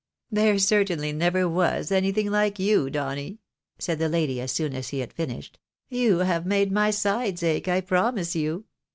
" There certainly never was anything like you, Donny !" said the lady, as soon as he had finished ;" you have made my sides ache, I promise you."